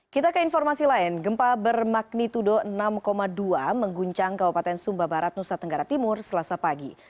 kita ke informasi lain gempa bermagnitudo enam dua mengguncang kabupaten sumba barat nusa tenggara timur selasa pagi